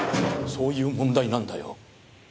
そういう問題なんだよ。